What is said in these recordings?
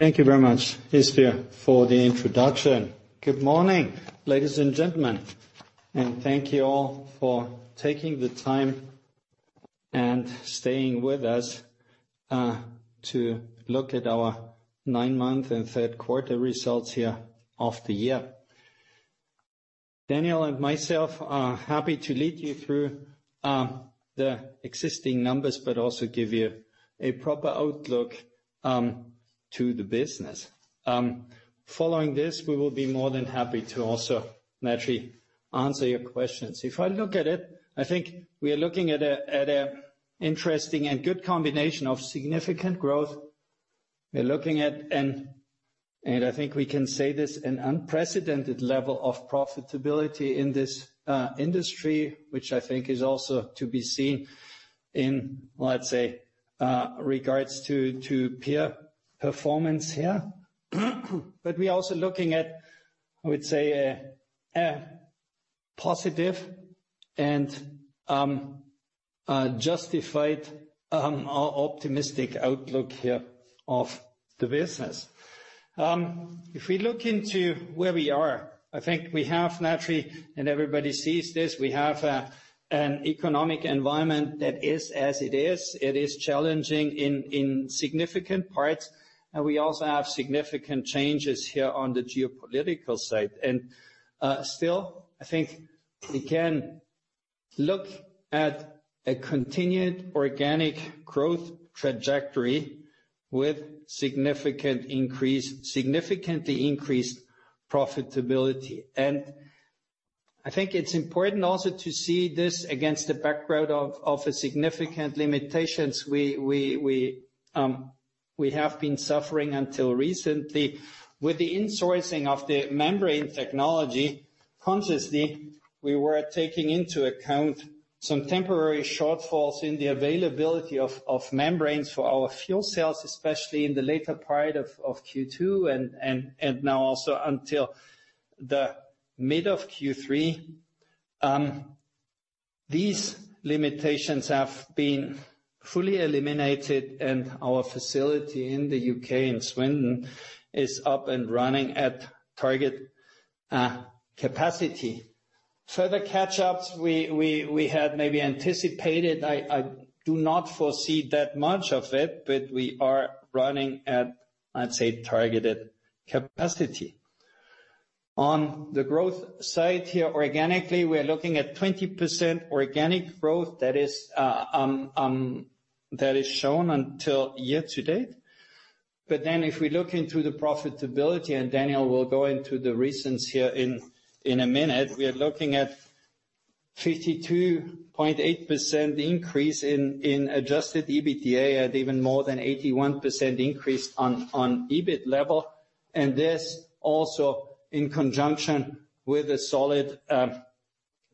Thank you very much, for the introduction. Good morning, ladies and gentlemen, and thank you all for taking the time and staying with us, to look at our nine-month and third-quarter results here of the year. Daniel and myself are happy to lead you through, the existing numbers, but also give you a proper outlook, to the business. Following this, we will be more than happy to also naturally answer your questions. If I look at it, I think we are looking at a, at a interesting and good combination of significant growth. We're looking at, and, and I think we can say this, an unprecedented level of profitability in this, industry, which I think is also to be seen in, let's say, regards to, to peer performance here. But we're also looking at, I would say, a, a positive and, justified, or optimistic outlook here of the business. If we look into where we are, I think we have naturally, and everybody sees this, we have a, an economic environment that is as it is. It is challenging in significant parts, and we also have significant changes here on the geopolitical side. And still, I think we can look at a continued organic growth trajectory with significant increase, significantly increased profitability. And I think it's important also to see this against the background of the significant limitations we have been suffering until recently with the insourcing of the membrane technology. Consciously, we were taking into account some temporary shortfalls in the availability of membranes for our fuel cells, especially in the later part of Q2 and now also until the mid of Q3. These limitations have been fully eliminated, and our facility in the U.K. and Sweden is up and running at target capacity. Further catch-ups we had maybe anticipated. I do not foresee that much of it, but we are running at, I'd say, targeted capacity. On the growth side here, organically, we are looking at 20% organic growth. That is shown until year to date. But then if we look into the profitability, and Daniel will go into the reasons here in a minute, we are looking at 52.8% increase in Adjusted EBITDA and even more than 81% increase on EBIT level. And this also in conjunction with a solid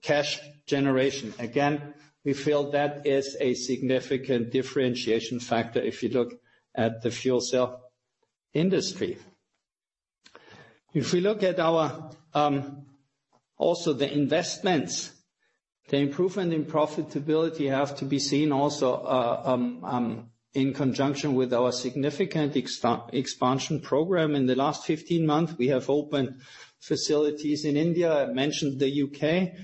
cash generation. Again, we feel that is a significant differentiation factor if you look at the fuel cell industry. If we look at our also the investments, the improvement in profitability have to be seen also in conjunction with our significant expansion program in the last 15 months. We have opened facilities in India. I mentioned the U.K.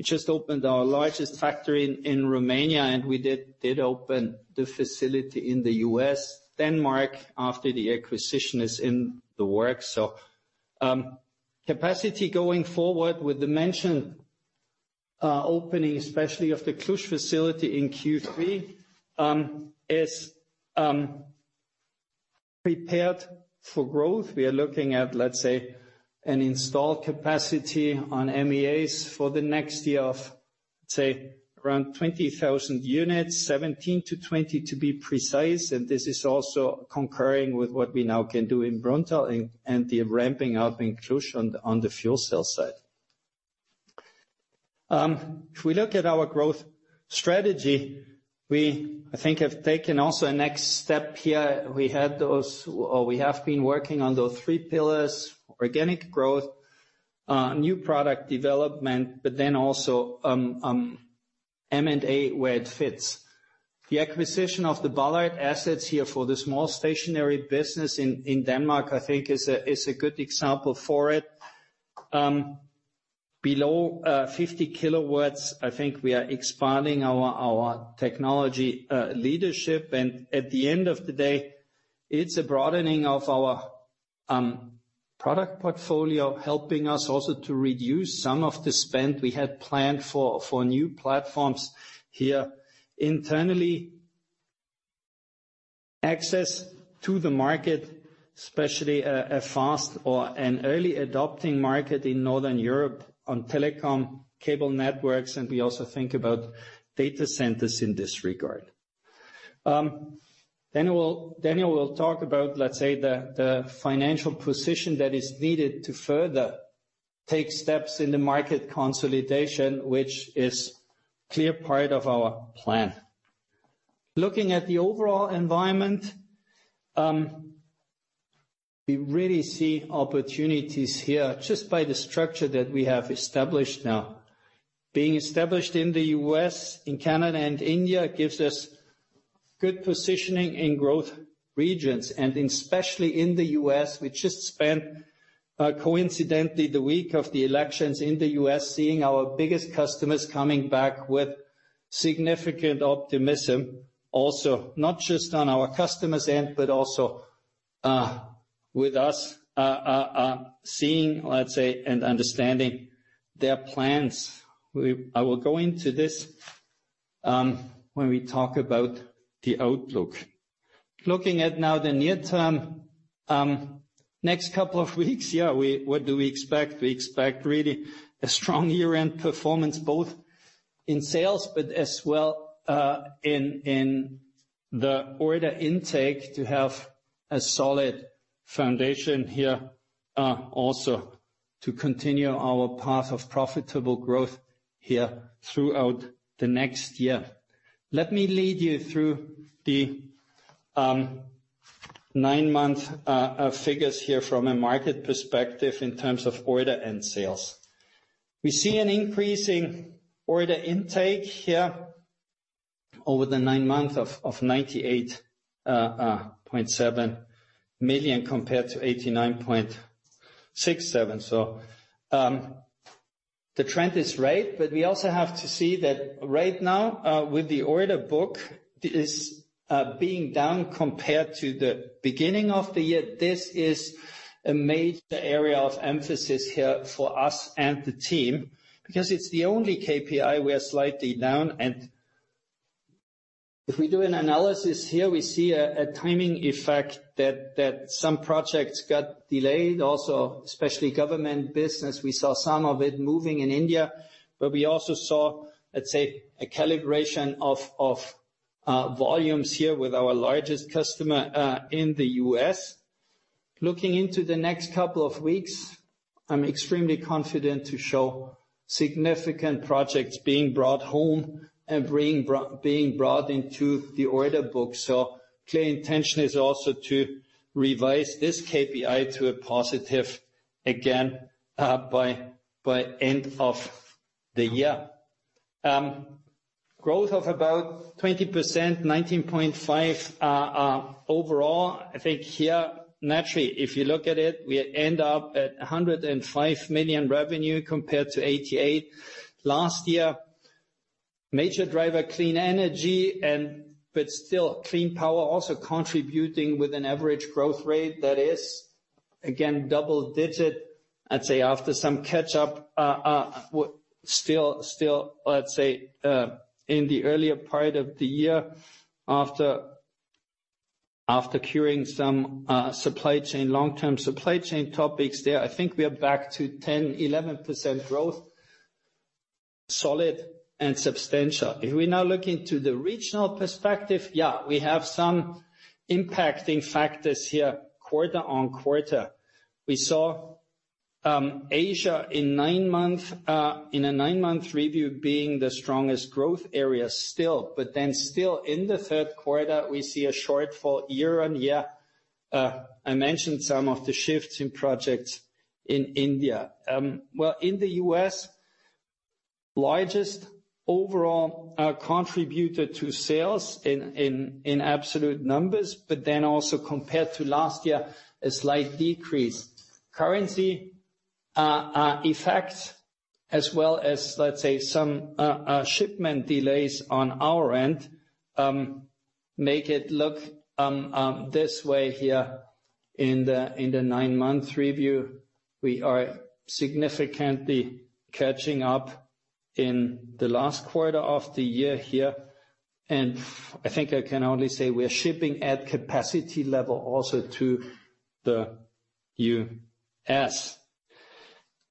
We just opened our largest factory in Romania, and we did open the facility in the U.S., Denmark, after the acquisition is in the works. Capacity going forward with the mentioned opening, especially of the Cluj facility in Q3, is prepared for growth. We are looking at let's say an installed capacity on MEAs for the next year of let's say around 20,000 units, 17 to 20 to be precise, and this is also concurrent with what we now can do in Bruntál and the ramping up in Cluj on the fuel cell side. If we look at our growth strategy, we, I think, have taken also a next step here. We had those, or we have been working on those three pillars: organic growth, new product development, but then also, M&A where it fits. The acquisition of the Ballard assets here for the small stationary business in Denmark, I think, is a good example for it. Below 50 kilowatts, I think we are expanding our technology leadership. And at the end of the day, it's a broadening of our product portfolio, helping us also to reduce some of the spend we had planned for new platforms here internally, access to the market, especially a fast or an early adopting market in Northern Europe on telecom cable networks. And we also think about data centers in this regard. Daniel will talk about, let's say, the financial position that is needed to further take steps in the market consolidation, which is a clear part of our plan. Looking at the overall environment, we really see opportunities here just by the structure that we have established now. Being established in the U.S., in Canada, and India, gives us good positioning in growth regions, and especially in the U.S., we just spent, coincidentally the week of the elections in the U.S., seeing our biggest customers coming back with significant optimism, also not just on our customers' end, but also with us seeing, let's say, and understanding their plans. I will go into this when we talk about the outlook. Looking at now the near term, next couple of weeks, yeah, what do we expect? We expect really a strong year-end performance, both in sales, but as well, in the order intake to have a solid foundation here, also to continue our path of profitable growth here throughout the next year. Let me lead you through the nine-month figures here from a market perspective in terms of order and sales. We see an increasing order intake here over the nine months of 98.7 million compared to 89.67 million. So, the trend is right, but we also have to see that right now, with the order book is being down compared to the beginning of the year. This is a major area of emphasis here for us and the team because it is the only KPI we are slightly down. And if we do an analysis here, we see a timing effect that some projects got delayed also, especially government business. We saw some of it moving in India, but we also saw, let's say, a calibration of volumes here with our largest customer, in the U.S. Looking into the next couple of weeks, I'm extremely confident to show significant projects being brought home and being brought into the order book. The clear intention is also to revise this KPI to a positive again, by end of the year, with growth of about 20%, 19.5%, overall. I think here, naturally, if you look at it, we end up at 105 million revenue compared to 88 million last year. Major driver, Clean Energy, and but still Clean Power also contributing with an average growth rate that is, again, double-digit, I'd say, after some catch-up, still, let's say, in the earlier part of the year after curing some supply chain, long-term supply chain topics there. I think we are back to 10%-11% growth, solid and substantial. If we now look into the regional perspective, yeah, we have some impacting factors here, quarter on quarter. We saw Asia in nine-month, in a nine-month review being the strongest growth area still. But then still in the third quarter, we see a shortfall year on year. I mentioned some of the shifts in projects in India, well, in the U.S., largest overall contributor to sales in absolute numbers, but then also compared to last year, a slight decrease. Currency effect, as well as, let's say, some shipment delays on our end, make it look this way here in the nine-month review. We are significantly catching up in the last quarter of the year here. And I think I can only say we are shipping at capacity level also to the U.S.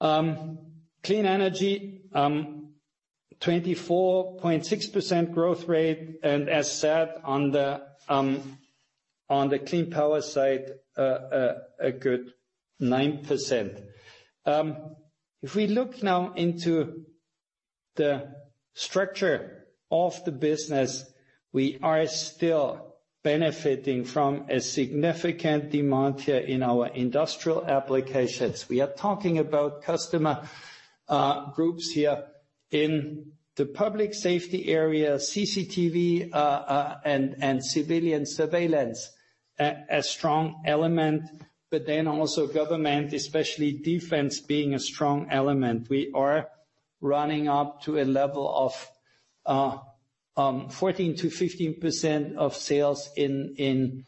Clean Energy, 24.6% growth rate. And as said on the Clean Power side, a good 9%. If we look now into the structure of the business, we are still benefiting from a significant demand here in our industrial applications. We are talking about customer groups here in the public safety area, CCTV, and civilian surveillance, a strong element, but then also government, especially defense, being a strong element. We are running up to a level of 14%-15% of sales in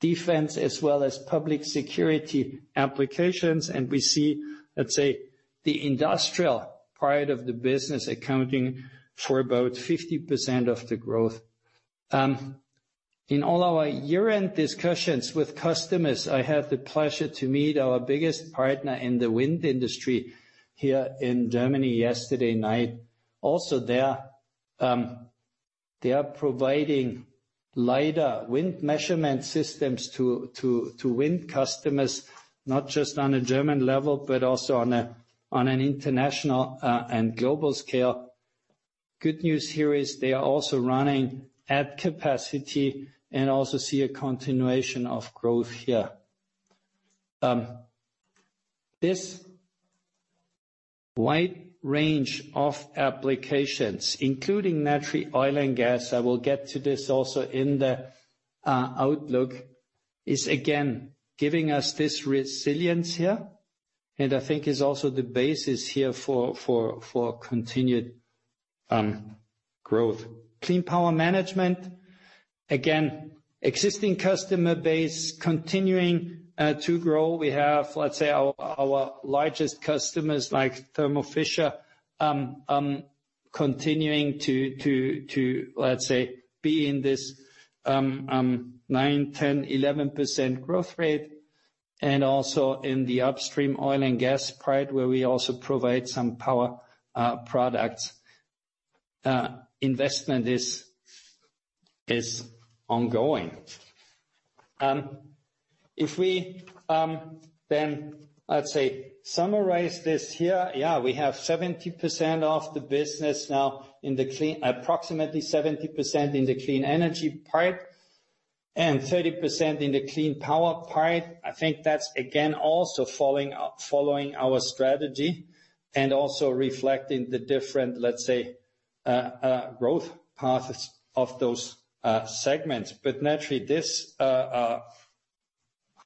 defense as well as public security applications. And we see, let's say, the industrial part of the business accounting for about 50% of the growth. In all our year-end discussions with customers, I had the pleasure to meet our biggest partner in the wind industry here in Germany yesterday night. Also there, they are providing LIDAR wind measurement systems to wind customers, not just on a German level, but also on an international and global scale. Good news here is they are also running at capacity and also see a continuation of growth here. This wide range of applications, including naturally oil and gas, I will get to this also in the outlook, is again giving us this resilience here, and I think is also the basis here for continued growth. Clean Power Management, again, existing customer base continuing to grow. We have, let's say, our largest customers like Thermo Fisher, continuing to be in this 9%, 10%, 11% growth rate. And also in the upstream oil and gas part, where we also provide some power products. Investment is ongoing. If we then let's say summarize this here, yeah, we have 70% of the business now in the clean, approximately 70% in the Clean Energy part and 30% in the Clean Power part. I think that's again also falling out following our strategy and also reflecting the different, let's say, growth paths of those segments. But naturally this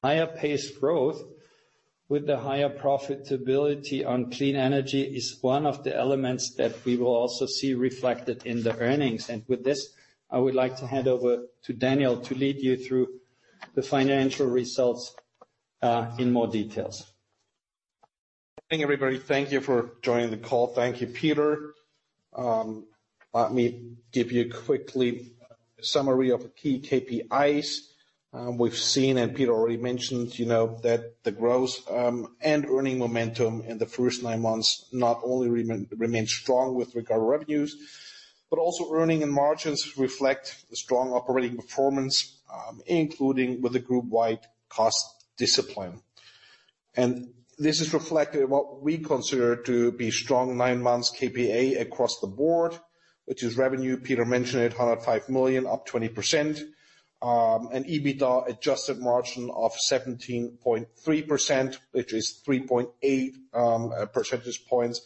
higher pace growth with the higher profitability on Clean Energy is one of the elements that we will also see reflected in the earnings. And with this, I would like to hand over to Daniel to lead you through the financial results in more details. Thank you, everybody. Thank you for joining the call. Thank you, Peter. Let me give you quickly a summary of key KPIs we've seen. Peter already mentioned, you know, that the growth and earnings momentum in the first nine months not only remain strong with regard to revenues, but also earnings and margins reflect the strong operating performance, including with the group-wide cost discipline. This is reflected in what we consider to be strong nine-month KPIs across the board, which is revenue. Peter mentioned, 105 million, up 20%. An Adjusted EBITDA margin of 17.3%, which is 3.8 percentage points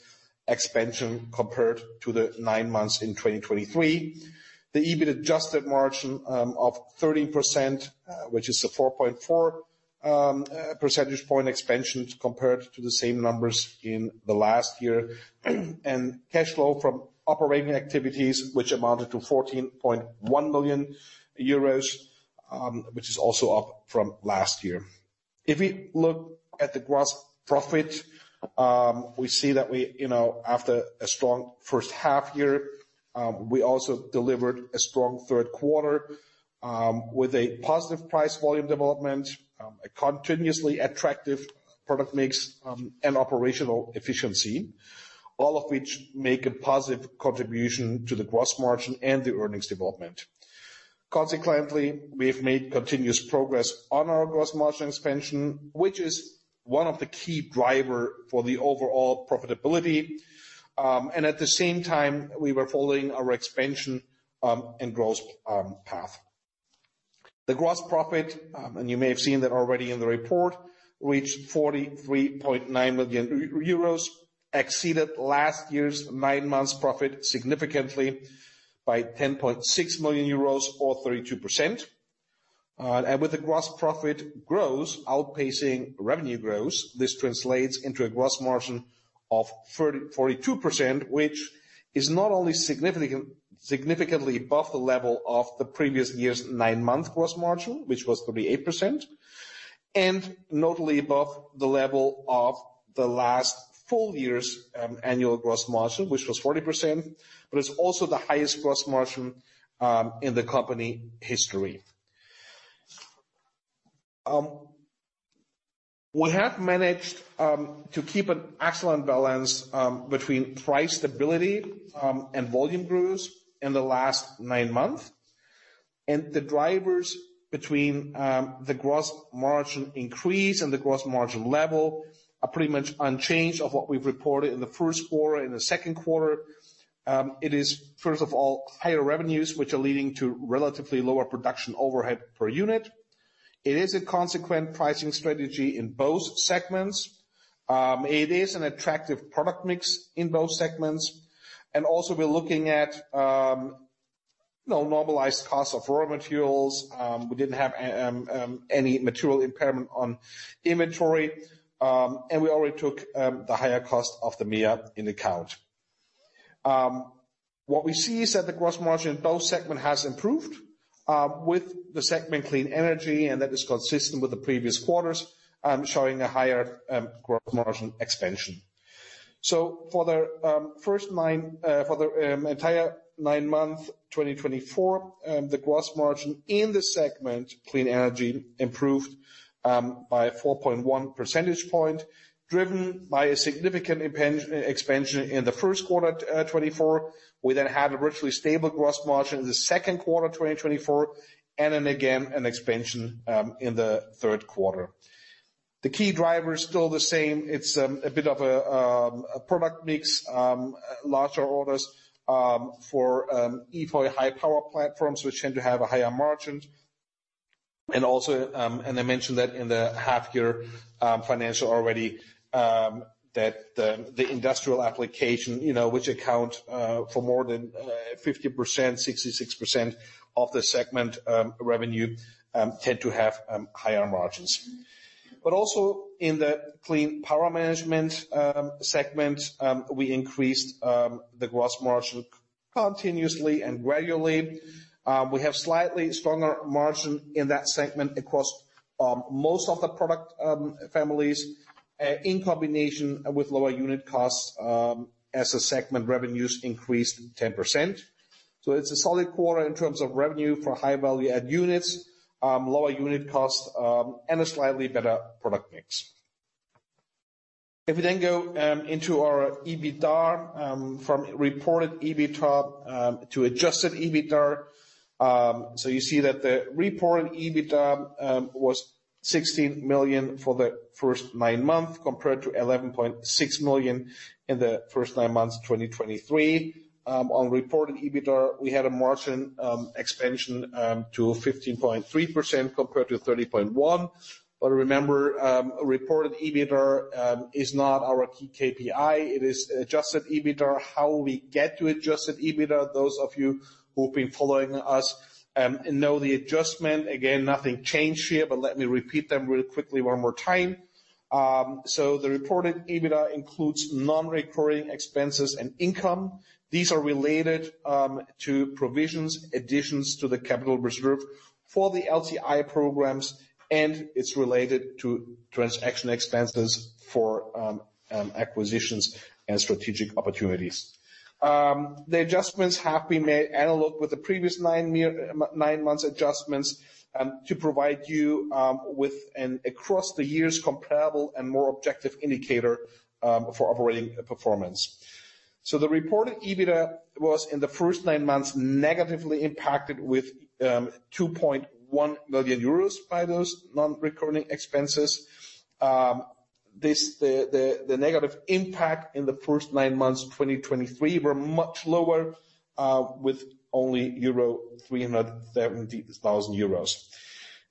expansion compared to the nine months in 2023. The Adjusted EBIT margin of 13%, which is a 4.4 percentage point expansion compared to the same numbers in the last year. Cash flow from operating activities, which amounted to 14.1 million euros, which is also up from last year. If we look at the gross profit, we see that we, you know, after a strong first half year, we also delivered a strong third quarter, with a positive price volume development, a continuously attractive product mix, and operational efficiency, all of which make a positive contribution to the gross margin and the earnings development. Consequently, we have made continuous progress on our gross margin expansion, which is one of the key drivers for the overall profitability, and at the same time, we were following our expansion, and growth, path. The gross profit, and you may have seen that already in the report, reached 43.9 million euros, exceeded last year's nine-month profit significantly by 10.6 million euros or 32%. And with the gross profit growth outpacing revenue growth, this translates into a gross margin of 42%, which is not only significant, significantly above the level of the previous year's nine-month gross margin, which was 38%, and notably above the level of the last full year's annual gross margin, which was 40%, but it's also the highest gross margin in the company history. We have managed to keep an excellent balance between price stability and volume growth in the last nine months. The drivers between the gross margin increase and the gross margin level are pretty much unchanged of what we've reported in the first quarter and the second quarter. It is, first of all, higher revenues, which are leading to relatively lower production overhead per unit. It is a consequent pricing strategy in both segments. It is an attractive product mix in both segments. We're looking at, you know, normalized costs of raw materials. We didn't have any material impairment on inventory. We already took the higher cost of the MEA into account. What we see is that the gross margin in both segments has improved, with the segment Clean Energy, and that is consistent with the previous quarters, showing a higher gross margin expansion. For the entire nine months 2024, the gross margin in the segment Clean Energy improved by a 4.1 percentage point, driven by a significant expansion in the first quarter 2024. We then had a virtually stable gross margin in the second quarter 2024, and then again an expansion in the third quarter. The key driver is still the same. It's a bit of a product mix, larger orders for EFOY high power platforms, which tend to have a higher margin. I mentioned that in the half-year financials already, that the industrial applications, you know, which account for more than 50%-66% of the segment revenue, tend to have higher margins. But also in the Clean Power Management segment, we increased the gross margin continuously and gradually. We have slightly stronger margins in that segment across most of the product families, in combination with lower unit costs, as segment revenues increased 10%. It's a solid quarter in terms of revenue for high value-add units, lower unit costs, and a slightly better product mix. If we then go into our EBITDA, from reported EBITDA to Adjusted EBITDA, you see that the reported EBITDA was 16 million for the first nine months compared to 11.6 million in the first nine months 2023. On reported EBITDA, we had a margin expansion to 15.3% compared to 30.1%. But remember, reported EBITDA is not our key KPI. It is Adjusted EBITDA, how we get to Adjusted EBITDA. Those of you who've been following us know the adjustment. Again, nothing changed here, but let me repeat them really quickly one more time. So the reported EBITDA includes non-recurring expenses and income. These are related to provisions, additions to the capital reserve for the LTI programs, and it's related to transaction expenses for acquisitions and strategic opportunities. The adjustments have been made analogous with the previous nine-month adjustments to provide you with an across-the-years comparable and more objective indicator for operating performance. So the reported EBITDA was in the first nine months negatively impacted with 2.1 million euros by those non-recurring expenses. The negative impact in the first nine months 2023 were much lower, with only 370,000 euros.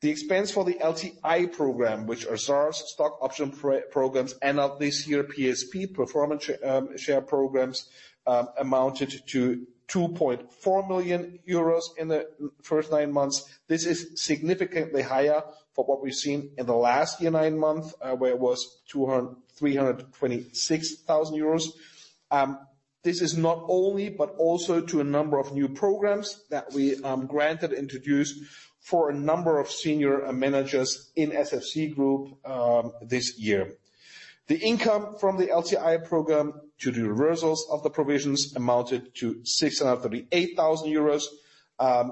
The expense for the LTI program, which are SARs stock option programs, and this year PSP performance share programs, amounted to 2.4 million euros in the first nine months. This is significantly higher for what we've seen in the last year nine months, where it was 200,326 euros. This is not only, but also to a number of new programs that we, granted introduced for a number of senior managers in SFC Group, this year. The income from the LTI program to the reversals of the provisions amounted to 638,000 euros,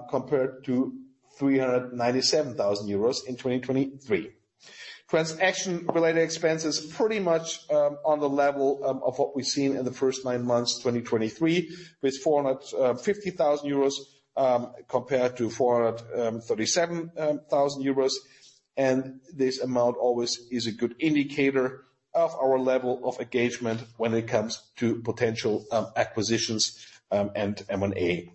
compared to 397,000 euros in 2023. Transaction-related expenses pretty much, on the level, of what we've seen in the first nine months 2023, with 450,000 euros, compared to 437,000 euros, and this amount always is a good indicator of our level of engagement when it comes to potential, acquisitions, and M&A.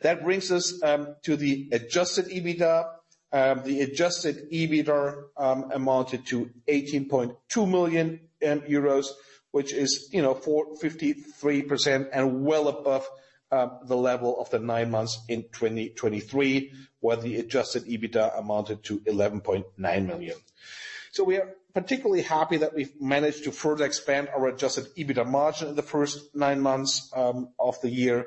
That brings us, to the Adjusted EBITDA. The Adjusted EBITDA amounted to 18.2 million euros, which is, you know, 4, 53% and well above the level of the nine months in 2023, where the adjusted EBITDA amounted to 11.9 million. So we are particularly happy that we've managed to further expand our Adjusted EBITDA margin in the first nine months of the year,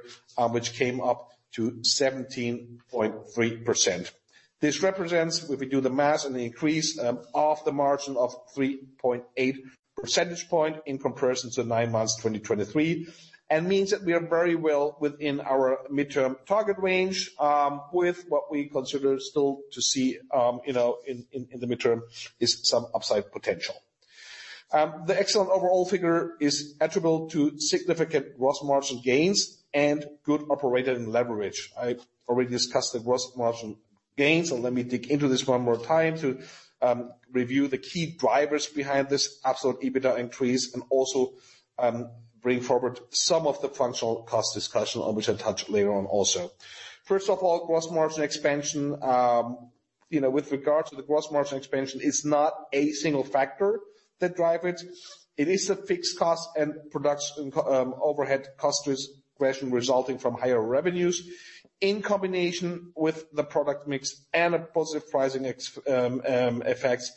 which came up to 17.3%. This represents, if we do the math and the increase of the margin of 3.8 percentage point in comparison to nine months 2023, and means that we are very well within our midterm target range, with what we consider still to see, you know, in the midterm is some upside potential. The excellent overall figure is attributable to significant gross margin gains and good operating leverage. I already discussed the gross margin gains, and let me dig into this one more time to review the key drivers behind this absolute EBITDA increase and also bring forward some of the functional cost discussion on which I touched later on also. First of all, gross margin expansion, you know, with regard to the gross margin expansion. It's not a single factor that drives it. It is a fixed cost and production overhead cost resolution resulting from higher revenues in combination with the product mix and a positive pricing effects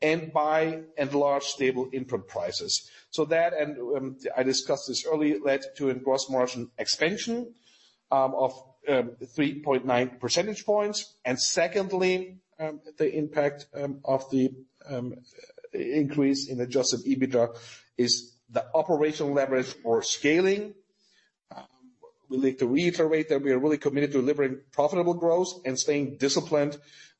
and by and large stable input prices. So that and I discussed this earlier led to a gross margin expansion of 3.9 percentage points. And secondly, the impact of the increase in Adjusted EBITDA is the operational leverage or scaling. We like to reiterate that we are really committed to delivering profitable growth and staying disciplined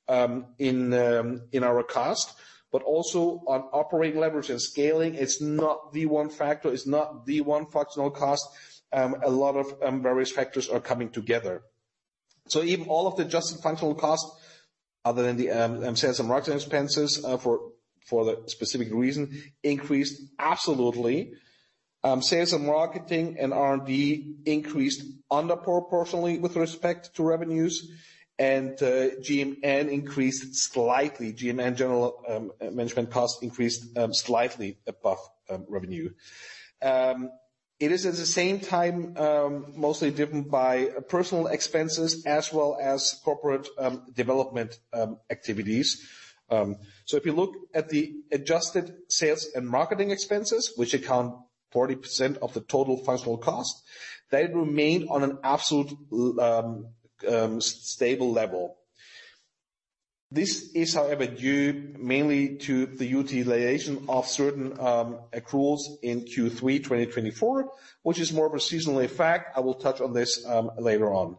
in our cost, but also on operating leverage and scaling. It's not the one factor. It's not the one functional cost. A lot of various factors are coming together. So even all of the adjusted functional costs, other than the sales and marketing expenses, for the specific reason, increased absolutely. Sales and marketing and R&D increased disproportionately with respect to revenues, and G&A increased slightly. G&A general management costs increased slightly above revenue. It is at the same time, mostly driven by personnel expenses as well as corporate development activities. So if you look at the adjusted sales and marketing expenses, which account for 40% of the total functional cost, they remained on an absolute stable level. This is, however, due mainly to the utilization of certain accruals in Q3 2024, which is more of a seasonal effect. I will touch on this later on.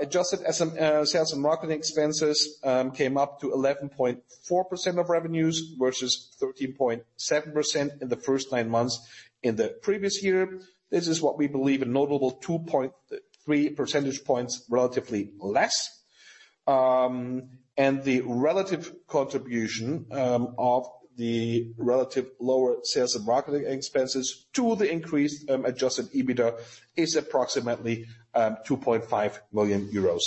Adjusted sales and marketing expenses came up to 11.4% of revenues versus 13.7% in the first nine months in the previous year. This is what we believe a notable 2.3 percentage points relatively less. And the relative contribution of the relatively lower sales and marketing expenses to the increased Adjusted EBITDA is approximately 2.5 million euros.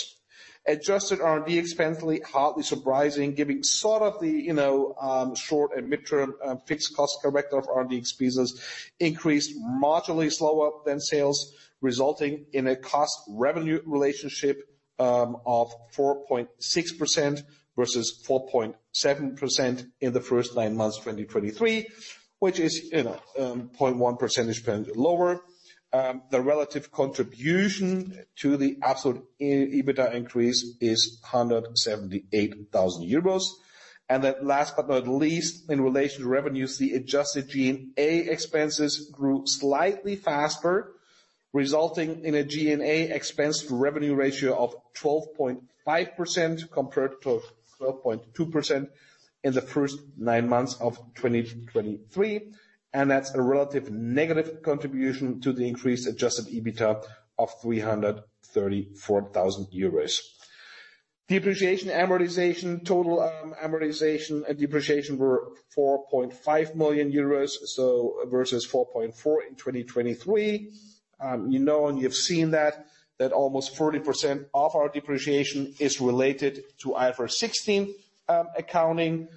Adjusted R&D expenses, hardly surprising, given the, you know, short- and medium-term fixed-cost character of R&D expenses increased marginally slower than sales, resulting in a cost-revenue relationship of 4.6% versus 4.7% in the first nine months 2023, which is, you know, 0.1 percentage point lower. The relative contribution to the absolute EBITDA increase is 178,000 euros. And then last but not least, in relation to revenues, the adjusted G&A expenses grew slightly faster, resulting in a G&A expense revenue ratio of 12.5% compared to 12.2% in the first nine months of 2023. And that's a relative negative contribution to the increased adjusted EBITDA of 334,000 euros. Depreciation amortization total, amortization and depreciation were 4.5 million euros, so versus 4.4 in 2023. You know, and you've seen that that almost 40% of our depreciation is related to IFRS 16 accounting,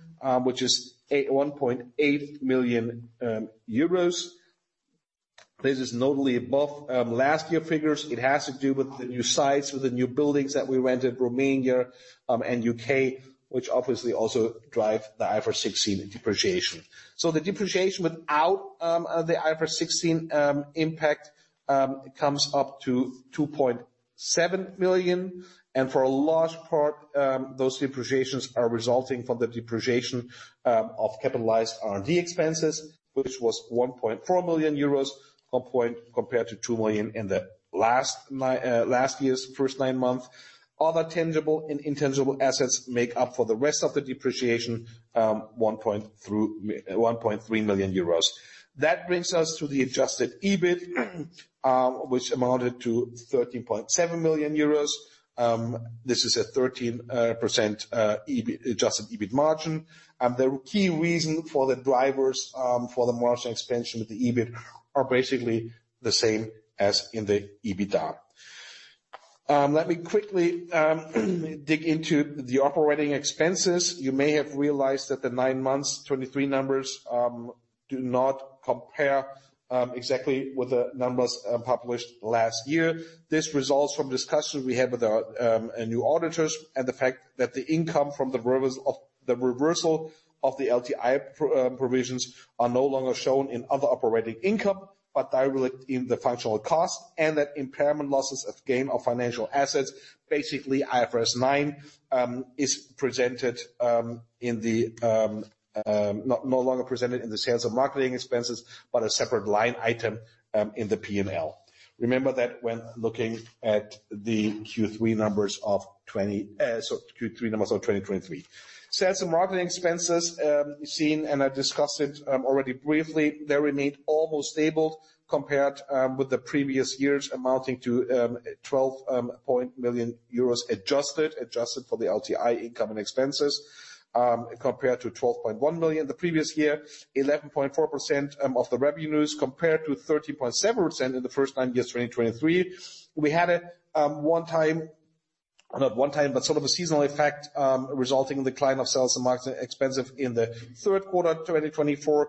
which is 1.8 million euros. This is notably above last year figures. It has to do with the new sites, with the new buildings that we rented in Romania and U.K., which obviously also drive the IFRS 16 depreciation. So the depreciation without the IFRS 16 impact comes up to 2.7 million. And for a large part, those depreciations are resulting from the depreciation of capitalized R&D expenses, which was 1.4 million euros, compared to 2 million in the last, last year's first nine months. Other tangible and intangible assets make up for the rest of the depreciation, 1.3 million euros. That brings us to the Adjusted EBIT, which amounted to 13.7 million euros. This is a 13% Adjusted EBIT margin. The key reason for the drivers for the margin expansion of the EBIT are basically the same as in the EBITDA. Let me quickly dig into the operating expenses. You may have realized that the nine months 2023 numbers do not compare exactly with the numbers published last year. This results from discussions we had with our new auditors and the fact that the income from the reversal of the reversal of the LTI provisions are no longer shown in other operating income, but directly in the functional cost and that impairment losses of gain of financial assets, basically IFRS 9, is now presented in the P&L, no longer presented in the sales and marketing expenses, but a separate line item in the P&L. Remember that when looking at the Q3 numbers of 2023. Sales and marketing expenses as seen, and I discussed it already briefly, they remained almost stable compared with the previous years amounting to 12.1 million euros adjusted for the LTI income and expenses, compared to 12.1 million the previous year, 11.4% of the revenues compared to 13.7% in the first nine months of 2023. We had a one time, not one time, but sort of a seasonal effect, resulting in the decline of sales and marketing expenses in the third quarter 2024,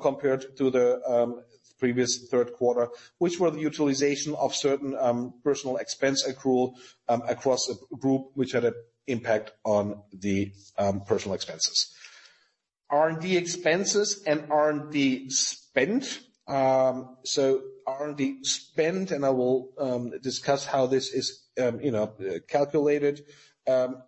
compared to the previous third quarter, which were the utilization of certain personnel expense accrual across a group, which had an impact on the personnel expenses. R&D expenses and R&D spent, so R&D spent, and I will discuss how this is, you know, calculated.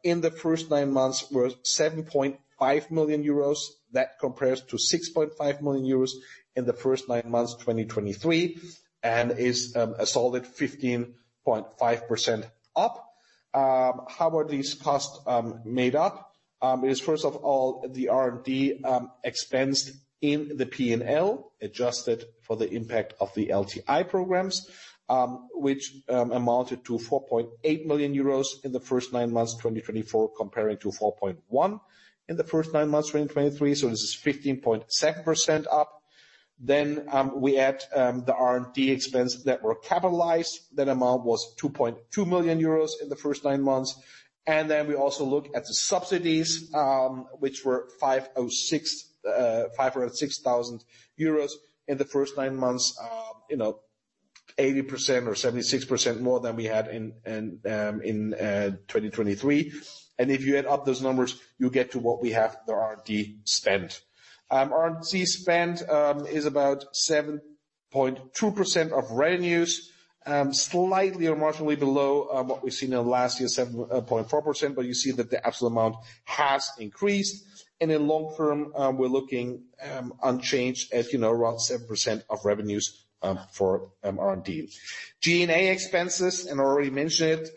In the first nine months were 7.5 million euros. That compares to 6.5 million euros in the first nine months 2023 and is a solid 15.5% up. How are these costs made up? It is first of all the R&D expensed in the P&L adjusted for the impact of the LTI programs, which amounted to 4.8 million euros in the first nine months 2024, comparing to 4.1 million in the first nine months 2023. So this is 15.7% up. We add the R&D expenses not capitalized. That amount was 2.2 million euros in the first nine months. And then we also look at the subsidies, which were 506,000 euros in the first nine months, you know, 80% or 76% more than we had in 2023. And if you add up those numbers, you get to what we have, the R&D spend. R&D spend is about 7.2% of revenues, slightly or marginally below what we've seen in the last year, 7.4%, but you see that the absolute amount has increased. And in long term, we're looking unchanged at, you know, around 7% of revenues for R&D. G&A expenses, and I already mentioned it,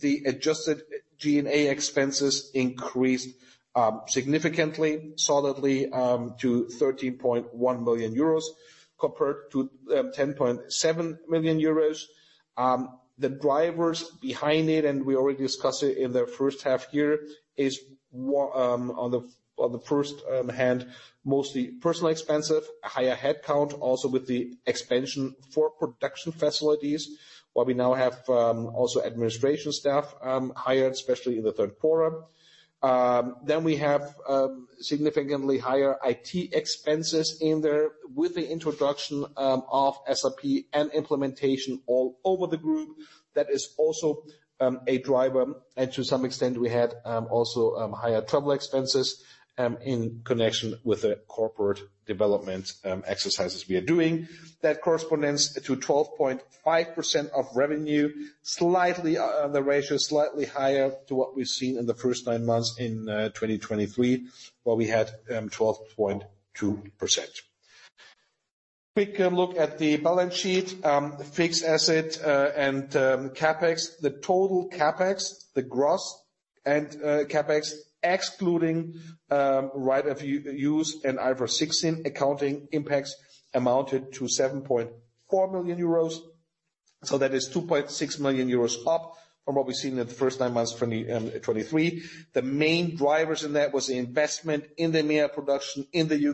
the adjusted G&A expenses increased significantly solidly to 13.1 million euros compared to 10.7 million euros. The drivers behind it, and we already discussed it in the first half year, is, on the one hand, mostly personnel expenses, a higher headcount also with the expansion for production facilities, where we now have also administration staff hired, especially in the third quarter. We have significantly higher IT expenses in there with the introduction of SAP and implementation all over the group. That is also a driver, and to some extent we also had higher travel expenses in connection with the corporate development exercises we are doing. That corresponds to 12.5% of revenue; slightly, the ratio is slightly higher than what we've seen in the first nine months in 2023, where we had 12.2%. A quick look at the balance sheet, fixed assets, and CapEx. The total CapEx, the gross CapEx excluding right-of-use and IFRS 16 accounting impacts, amounted to 7.4 million euros. So that is 2.6 million euros up from what we've seen in the first nine months 2023. The main drivers in that was the investment in the MEA production in the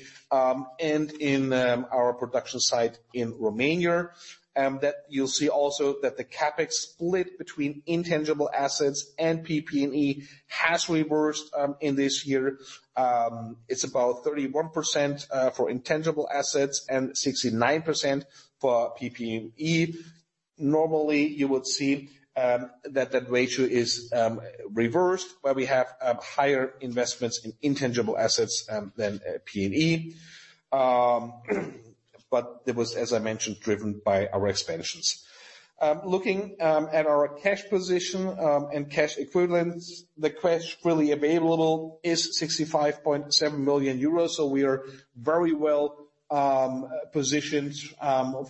UK, and in our production site in Romania. That you'll see also that the CapEx split between intangible assets and PP&E has reversed, in this year. It's about 31% for intangible assets and 69% for PP&E. Normally you would see, that ratio is, reversed, where we have, higher investments in intangible assets, than P&E. But it was, as I mentioned, driven by our expansions. Looking, at our cash position, and cash equivalents, the cash freely available is 65.7 million euros. So we are very well, positioned,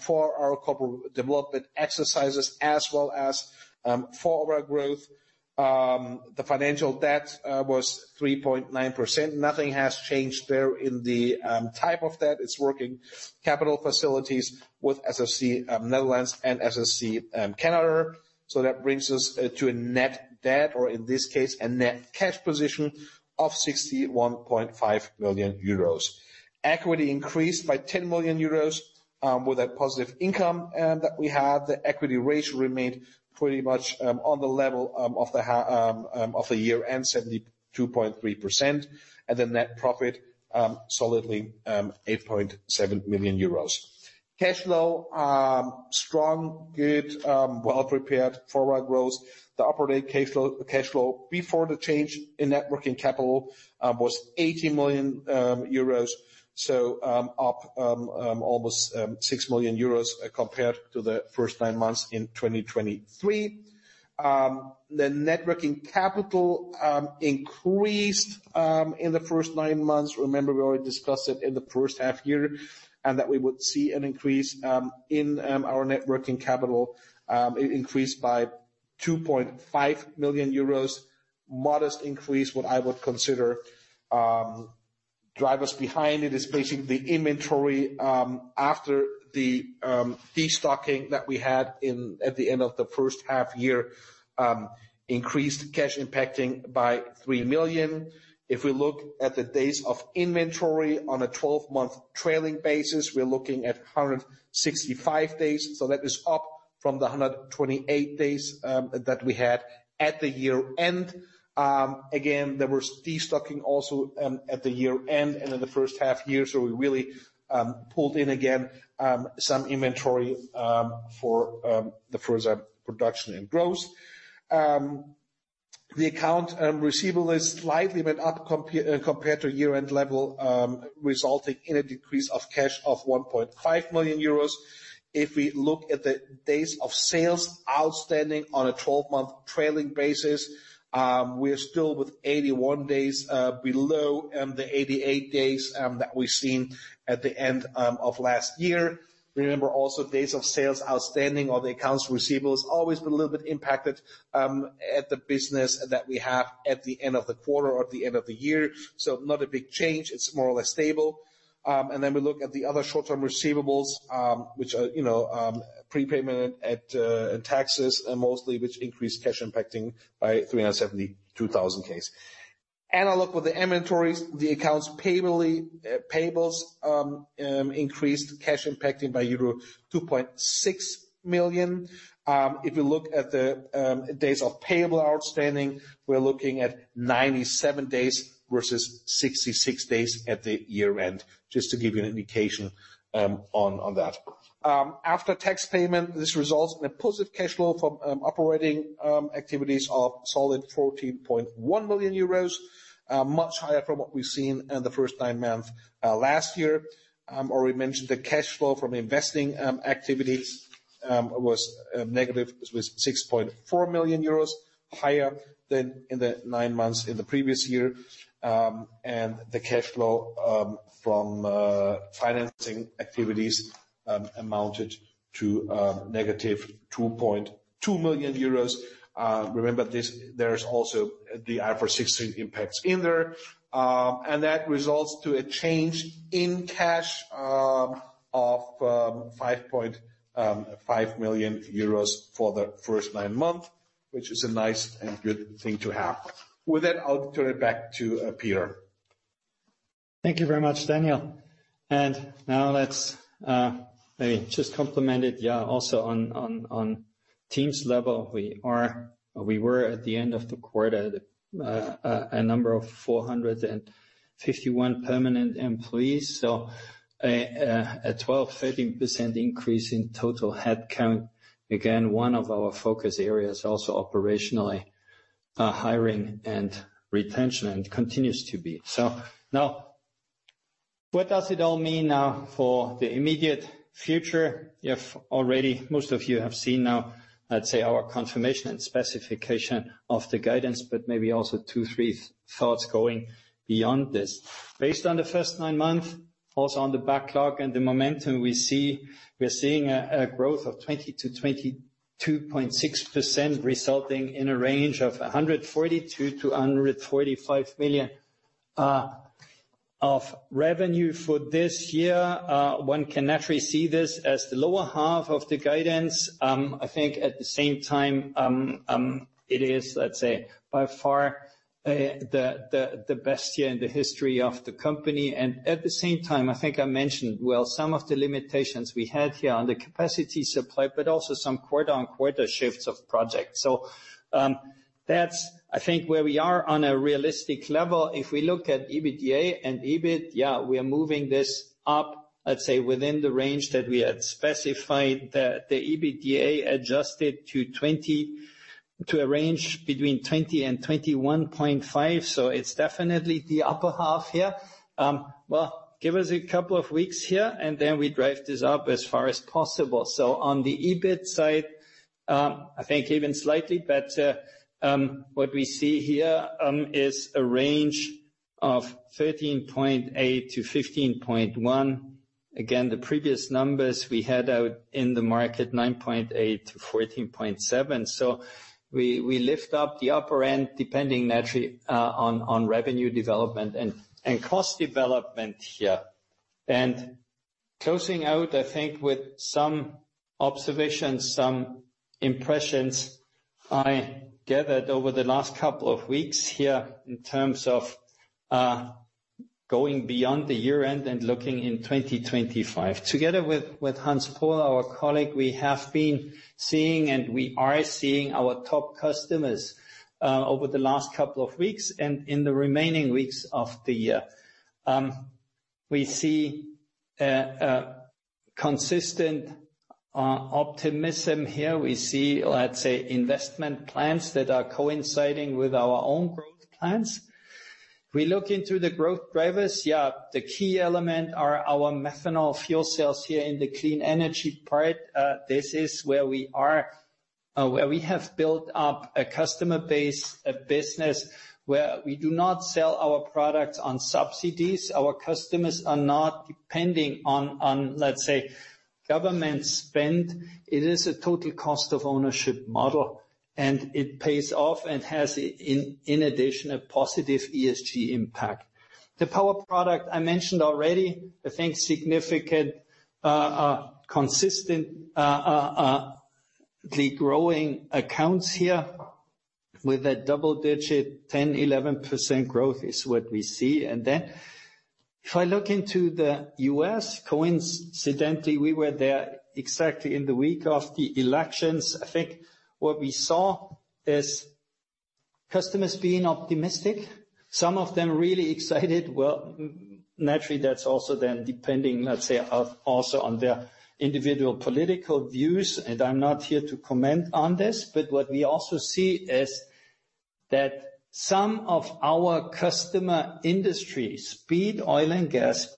for our corporate development exercises as well as, for our growth. The financial debt, was 3.9%. Nothing has changed there in the, type of debt. It’s working capital facilities with SFC Netherlands and SFC Canada. So that brings us to a net debt, or in this case, a net cash position of 61.5 million euros. Equity increased by 10 million euros, with a positive income that we had. The equity ratio remained pretty much on the level of the year end, 72.3%, and the net profit solidly 8.7 million euros. Cash flow strong, good, well prepared for our growth. The operating cash flow, cash flow before the change in net working capital, was 80 million euros. So up almost 6 million euros compared to the first nine months in 2023. The net working capital increased in the first nine months. Remember, we already discussed it in the first half year and that we would see an increase in our net working capital, increased by 2.5 million euros. Modest increase, what I would consider. The drivers behind it is basically the inventory, after the destocking that we had in at the end of the first half year, increased cash impacting by 3 million. If we look at the days of inventory on a 12-month trailing basis, we're looking at 165 days. So that is up from the 128 days that we had at the year end. Again, there was destocking also at the year end and in the first half year. So we really pulled in again some inventory for the further production and growth. The accounts receivable slightly went up compared to year-end level, resulting in a decrease of cash of 1.5 million euros. If we look at the days of sales outstanding on a 12-month trailing basis, we're still with 81 days, below the 88 days that we've seen at the end of last year. Remember also days of sales outstanding or the accounts receivable has always been a little bit impacted at the business that we have at the end of the quarter or at the end of the year. So not a big change. It's more or less stable. And then we look at the other short-term receivables, which are, you know, prepayments, VAT, and taxes mostly, which increased cash impacting by 372,000. And we look at the inventories, the accounts payables, increased cash impacting by euro 2.6 million. If we look at the days of payable outstanding, we're looking at 97 days versus 66 days at the year end, just to give you an indication on that. After tax payments, this results in a positive cash flow from operating activities of 14.1 million euros, much higher from what we've seen in the first nine months last year. Or we mentioned the cash flow from investing activities was negative with 6.4 million euros higher than in the nine months in the previous year. The cash flow from financing activities amounted to negative 2.2 million euros. Remember this, there's also the IFRS 16 impacts in there. That results to a change in cash of 5.5 million euros for the first nine months, which is a nice and good thing to have. With that, I'll turn it back to Peter. Thank you very much, Daniel. Now let's maybe just complement it. Yeah, also on team's level, we were at the end of the quarter a number of 451 permanent employees. So a 12-13% increase in total headcount. Again, one of our focus areas also operationally, hiring and retention and continues to be. So now, what does it all mean now for the immediate future? You've already, most of you have seen now, let's say our confirmation and specification of the guidance, but maybe also two, three thoughts going beyond this. Based on the first nine months, also on the backlog and the momentum we see, we're seeing a growth of 20%-22.6% resulting in a range of 142 million-145 million of revenue for this year. One can actually see this as the lower half of the guidance. I think at the same time, it is, let's say, by far, the best year in the history of the company. And at the same time, I think I mentioned, well, some of the limitations we had here on the capacity supply, but also some quarter-on-quarter shifts of projects. So, that's, I think, where we are on a realistic level. If we look at EBITDA and EBIT, yeah, we are moving this up, let's say, within the range that we had specified that the EBITDA adjusted to 20, to a range between 20 and 21.5. So it's definitely the upper half here. Well, give us a couple of weeks here and then we drive this up as far as possible. So on the EBIT side, I think even slightly better, what we see here, is a range of 13.8-15.1. Again, the previous numbers we had out in the market, 9.8-14.7. So we lift up the upper end depending naturally on revenue development and cost development here. And closing out, I think with some observations, some impressions I gathered over the last couple of weeks here in terms of going beyond the year end and looking in 2025. Together with Hans Pol, our colleague, we have been seeing and we are seeing our top customers over the last couple of weeks and in the remaining weeks of the year. We see consistent optimism here. We see, let's say, investment plans that are coinciding with our own growth plans. We look into the growth drivers. Yeah, the key element are our methanol fuel cells here in the Clean Energy part. This is where we are, where we have built up a customer-based business where we do not sell our products on subsidies. Our customers are not depending on, let's say, government spend. It is a total cost of ownership model and it pays off and has, in addition, a positive ESG impact. The power product I mentioned already, I think significant, consistent, the growing accounts here with a double-digit 10%-11% growth is what we see. And then if I look into the U.S., coincidentally, we were there exactly in the week of the elections. I think what we saw is customers being optimistic, some of them really excited. Well, naturally, that's also then depending, let's say, also on their individual political views. And I'm not here to comment on this, but what we also see is that some of our customer industries, be it oil and gas,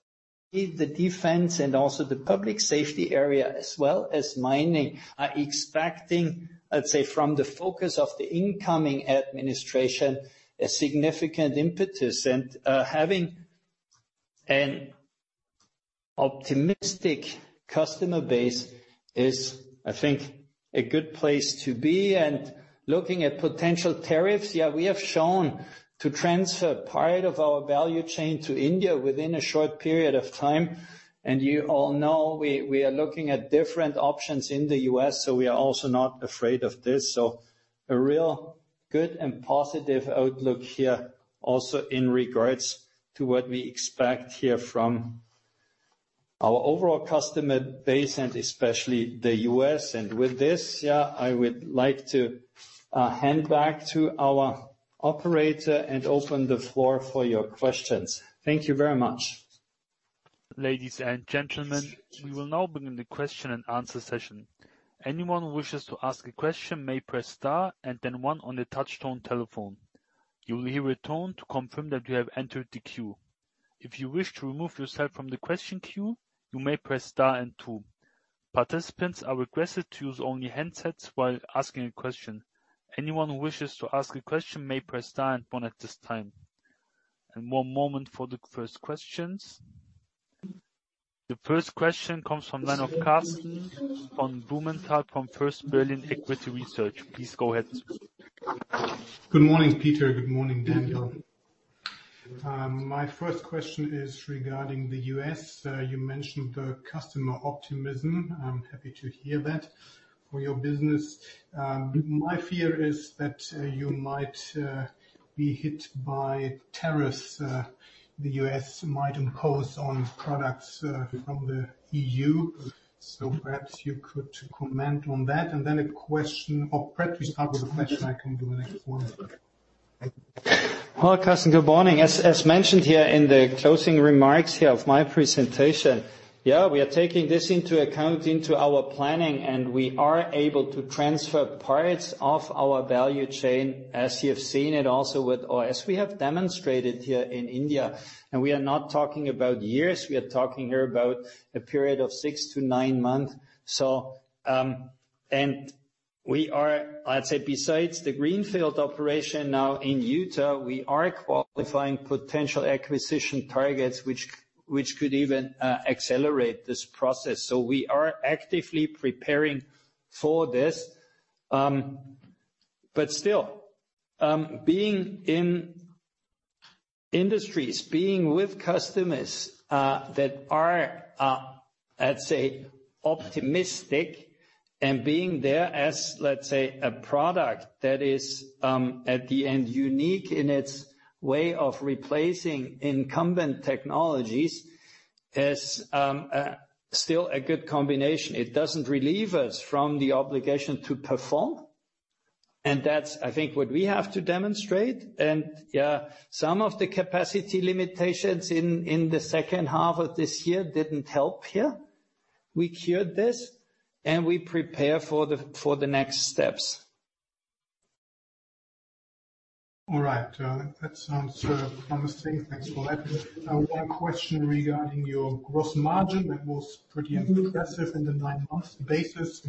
be it the defense and also the public safety area as well as mining, are expecting, let's say, from the focus of the incoming administration, a significant impetus. And, having an optimistic customer base is, I think, a good place to be. And looking at potential tariffs, yeah, we have shown to transfer part of our value chain to India within a short period of time. You all know we are looking at different options in the U.S., so we are also not afraid of this. A real good and positive outlook here also in regards to what we expect here from our overall customer base and especially the U.S. With this, yeah, I would like to hand back to our operator and open the floor for your questions. Thank you very much. Ladies and gentlemen, we will now begin the question and answer session. Anyone who wishes to ask a question may press star and then one on the touch-tone telephone. You will hear a tone to confirm that you have entered the queue. If you wish to remove yourself from the question queue, you may press star and two. Participants are requested to use only handsets while asking a question. Anyone who wishes to ask a question may press star and one at this time. One moment for the first questions. The first question comes from Karsten von Blumenthal from First Berlin Equity Research. Please go ahead. Good morning, Peter. Good morning, Daniel. My first question is regarding the U.S. You mentioned the customer optimism. I'm happy to hear that for your business. My fear is that you might be hit by tariffs the U.S. might impose on products from the EU. So perhaps you could comment on that. And then a question, or perhaps we start with a question. I can do the next one. Hello, Karsten, good morning. As mentioned here in the closing remarks here of my presentation, yeah, we are taking this into account into our planning and we are able to transfer parts of our value chain, as you've seen it also with, or as we have demonstrated here in India. And we are not talking about years. We are talking here about a period of six-to-nine months. So, and we are, I'd say, besides the greenfield operation now in Utah, we are qualifying potential acquisition targets, which could even accelerate this process. So we are actively preparing for this. But still, being in industries, being with customers, that are, let's say, optimistic and being there as, let's say, a product that is, at the end unique in its way of replacing incumbent technologies is still a good combination. It doesn't relieve us from the obligation to perform. And that's, I think, what we have to demonstrate. Yeah, some of the capacity limitations in the second half of this year didn't help here. We cured this and we prepare for the next steps. All right. That sounds promising. Thanks for that. One question regarding your gross margin that was pretty impressive in the nine-month basis.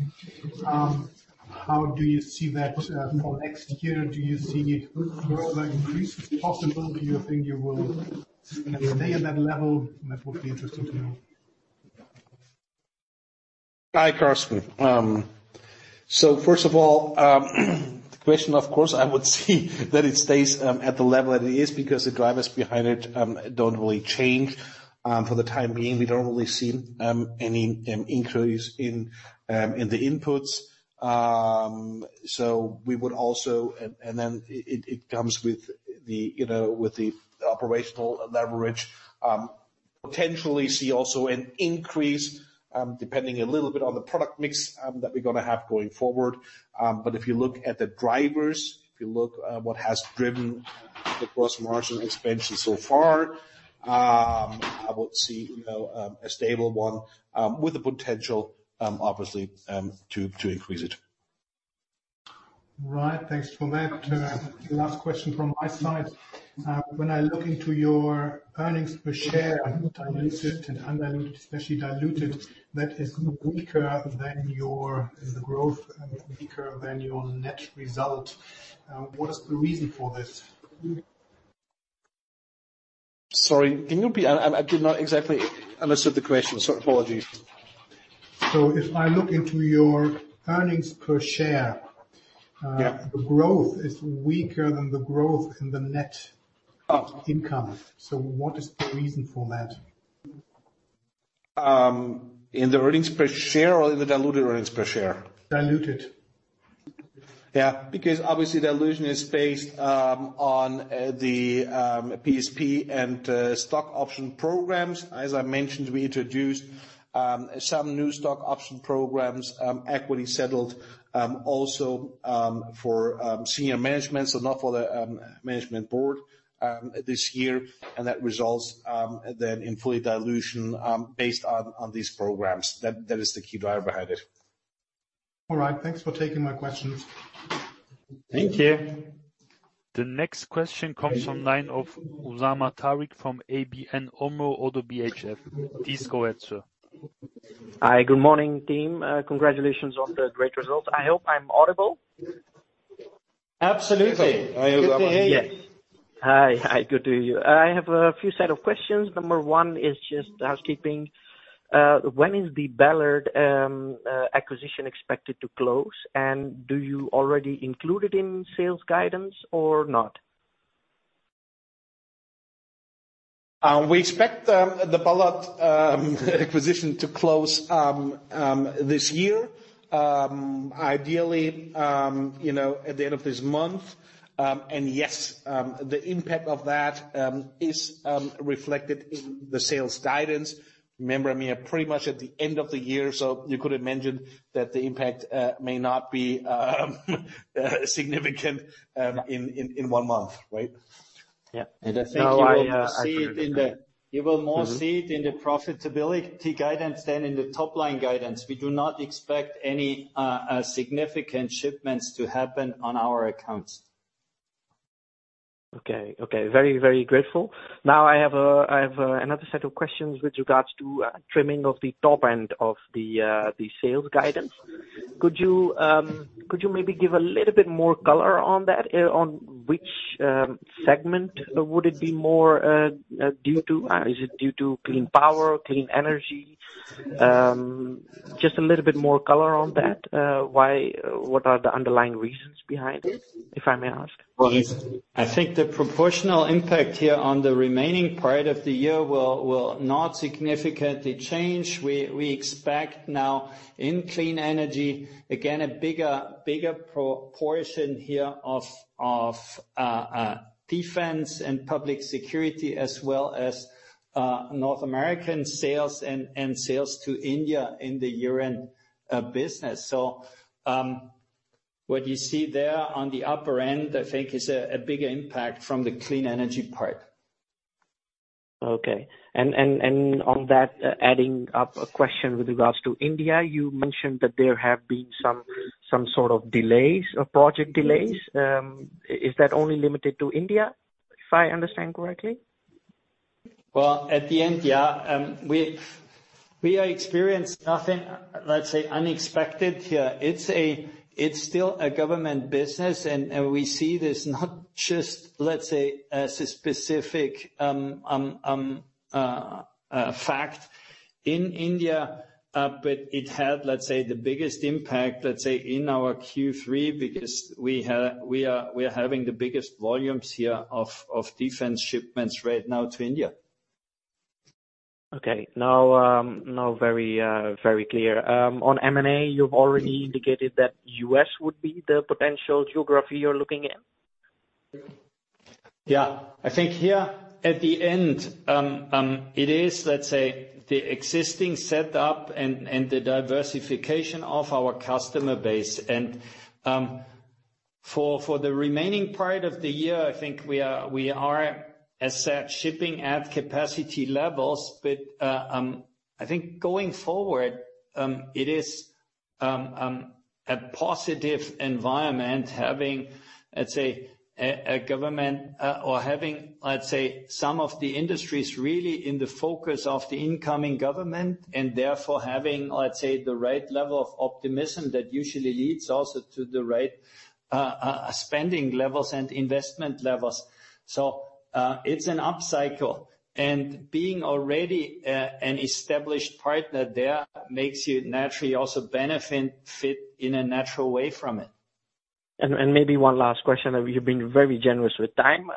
How do you see that for next year? Do you see further increases possible? Do you think you will stay at that level? That would be interesting to know. Hi, Karsten. So first of all, the question, of course, I would see that it stays at the level that it is because the drivers behind it don't really change. For the time being, we don't really see any increase in the inputs. So we would also and then it comes with the, you know, with the operational leverage, potentially see also an increase, depending a little bit on the product mix, that we're going to have going forward. But if you look at the drivers, what has driven the gross margin expansion so far, I would see, you know, a stable one, with the potential, obviously, to increase it. Right. Thanks for that. Last question from my side. When I look into your earnings per share, diluted and undiluted, especially diluted, that is weaker than your, the growth, weaker than your net result. What is the reason for this? Sorry, can you repeat? I did not exactly understood the question. Sorry, apologies. So if I look into your earnings per share, the growth is weaker than the growth in the net income. So what is the reason for that? In the earnings per share or in the diluted earnings per share? Diluted. Yeah, because obviously dilution is based on the PSP and stock option programs. As I mentioned, we introduced some new stock option programs, equity settled, also for senior management, so not for the management board, this year. And that results then in full dilution based on these programs. That is the key driver behind it. All right. Thanks for taking my questions. Thank you. The next question comes from Usama Tariq from ABN AMRO-ODDO BHF. Please go ahead, sir. Hi, good morning, team. Congratulations on the great results. I hope I'm audible. Absolutely. Hi, Usama. Yes. Hi. Hi. Good to hear you. I have a few sets of questions. Number one is just housekeeping. When is the Ballard acquisition expected to close? And do you already include it in sales guidance or not? We expect the Ballard acquisition to close this year, ideally, you know, at the end of this month. And yes, the impact of that is reflected in the sales guidance. Remember, we are pretty much at the end of the year, so you could imagine that the impact may not be significant in one month, right? Yeah. And I think we will see it in the; you will more see it in the profitability guidance than in the top line guidance. We do not expect any significant shipments to happen on our accounts. Okay. Okay. Very, very grateful. Now I have another set of questions with regards to trimming of the top end of the sales guidance. Could you maybe give a little bit more color on that, on which segment would it be more due to? Is it due to Clean Power, Clean Energy? Just a little bit more color on that. Why, what are the underlying reasons behind it, if I may ask? Well, I think the proportional impact here on the remaining part of the year will not significantly change. We expect now in Clean Energy, again, a bigger proportion here of defense and public security, as well as North American sales and sales to India in the year-end business. So, what you see there on the upper end, I think, is a bigger impact from the Clean Energy part. Okay. On that, adding up a question with regards to India, you mentioned that there have been some sort of delays, project delays. Is that only limited to India, if I understand correctly? Well, at the end, yeah, we are experiencing nothing, let's say, unexpected here. It's still a government business, and we see this not just, let's say, as a specific fact in India, but it had, let's say, the biggest impact, let's say, in our Q3, because we are having the biggest volumes here of defense shipments right now to India. Okay. Now very clear. On M&A, you've already indicated that U.S. would be the potential geography you're looking at. Yeah. I think here at the end, it is, let's say, the existing setup and the diversification of our customer base. For the remaining part of the year, I think we are, as said, shipping at capacity levels. But I think going forward, it is a positive environment having, let's say, a government, or having, let's say, some of the industries really in the focus of the incoming government, and therefore having, let's say, the right level of optimism that usually leads also to the right spending levels and investment levels. So it's an upcycle. And being already an established partner there makes you naturally also benefit, fit in a natural way from it. And maybe one last question that you've been very generous with time.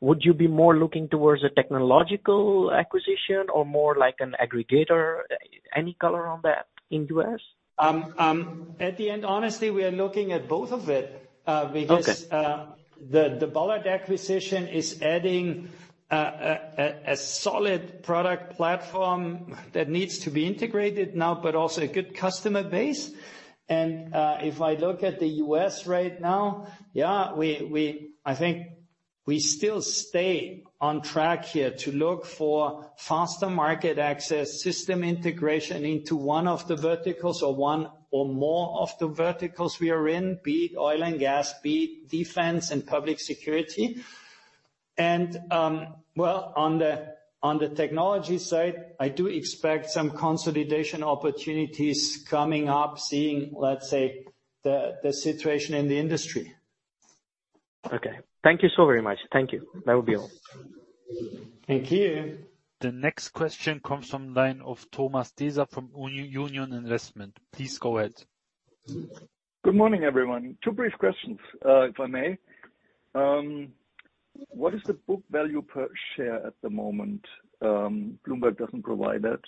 Would you be more looking towards a technological acquisition or more like an aggregator? Any color on that in the U.S.? At the end, honestly, we are looking at both of it, because the Ballard acquisition is adding a solid product platform that needs to be integrated now, but also a good customer base. And if I look at the U.S. right now, yeah, we I think we still stay on track here to look for faster market access, system integration into one of the verticals or one or more of the verticals we are in, be it oil and gas, be it defense and public security. And well, on the technology side, I do expect some consolidation opportunities coming up, seeing, let's say, the situation in the industry. Okay. Thank you so very much. Thank you. That would be all. Thank you. The next question comes from line of Thomas Deser from Union Investment. Please go ahead. Good morning, everyone. Two brief questions, if I may. What is the book value per share at the moment? Bloomberg doesn't provide that.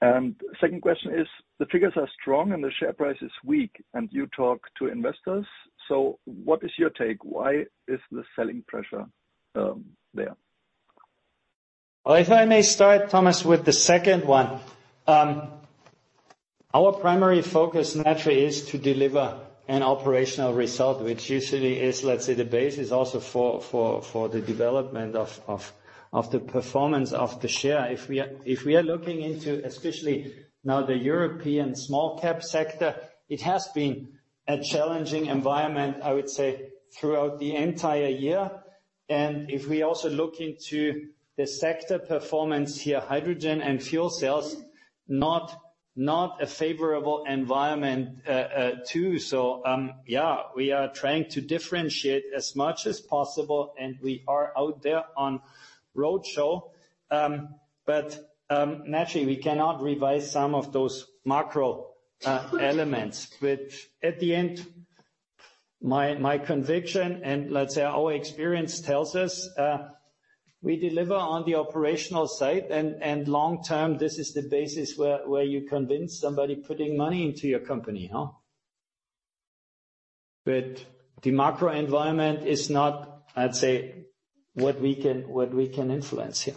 And second question is, the figures are strong and the share price is weak, and you talk to investors. So what is your take? Why is the selling pressure there? Well, if I may start, Thomas, with the second one. Our primary focus naturally is to deliver an operational result, which usually is, let's say, the base is also for the development of the performance of the share. If we are looking into especially now the European small cap sector, it has been a challenging environment, I would say, throughout the entire year. And if we also look into the sector performance here, hydrogen and fuel cells, not a favorable environment, too. Yeah, we are trying to differentiate as much as possible, and we are out there on roadshow, but naturally, we cannot revise some of those macro elements. But at the end, my conviction and, let's say, our experience tells us we deliver on the operational side, and long term, this is the basis where you convince somebody putting money into your company, huh? But the macro environment is not, I'd say, what we can influence here.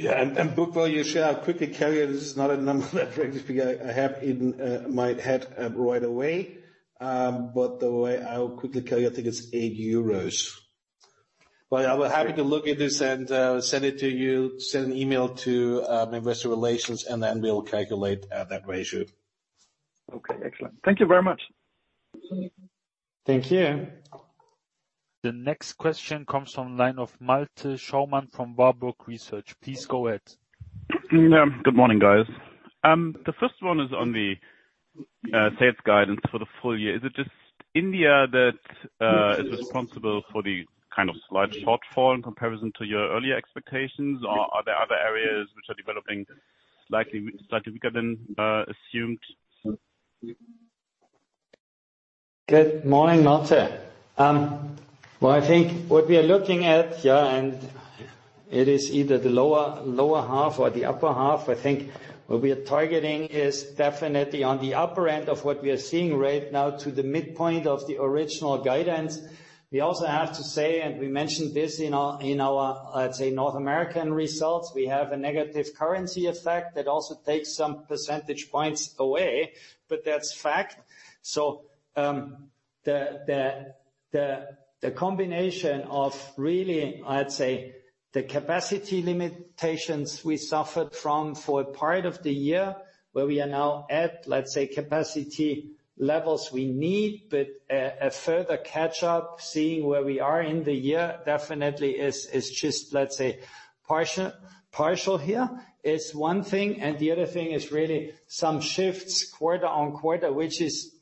Yeah. And book value share, I'll quickly tell you, this is not a number that I have in my head right away, but the way I'll quickly tell you, I think it's 8 euros. But I'll be happy to look at this and send it to you, send an email to my investor relations, and then we'll calculate that ratio. Okay. Excellent. Thank you very much. Thank you. The next question comes from the line of Malte Schaumann from Warburg Research. Please go ahead. Yeah. Good morning, guys. The first one is on the sales guidance for the full year. Is it just India that is responsible for the kind of slight shortfall in comparison to your earlier expectations? Or are there other areas which are developing slightly weaker than assumed? Good morning, Malte. Well, I think what we are looking at, yeah, and it is either the lower half or the upper half. I think what we are targeting is definitely on the upper end of what we are seeing right now to the midpoint of the original guidance. We also have to say, and we mentioned this in our, let's say, North American results. We have a negative currency effect that also takes some percentage points away, but that's fact. So, the combination of really, I'd say, the capacity limitations we suffered from for a part of the year where we are now at, let's say, capacity levels we need, but a further catch-up, seeing where we are in the year definitely is just, let's say, partial here is one thing. And the other thing is really some shifts quarter on quarter, which is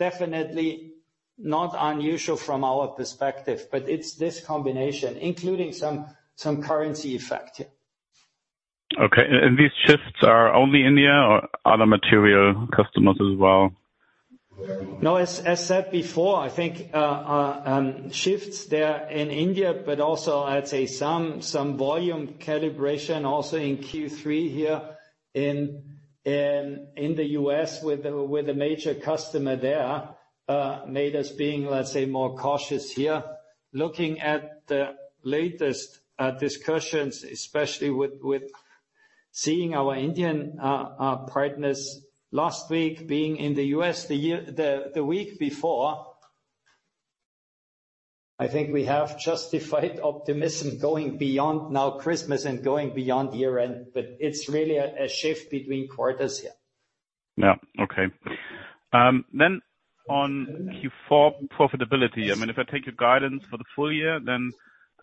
definitely not unusual from our perspective, but it's this combination, including some currency effect here. Okay. And these shifts are only India or other material customers as well? No, as said before, I think, shifts there in India, but also, I'd say some volume calibration also in Q3 here in the U.S. with the major customer there, made us being, let's say, more cautious here. Looking at the latest discussions, especially with seeing our Indian partners last week, being in the U.S. the year the week before, I think we have justified optimism going beyond now Christmas and going beyond year end, but it's really a shift between quarters here. Yeah. Okay. Then on Q4 profitability, I mean, if I take your guidance for the full year, then